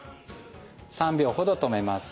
３秒ほど止めます。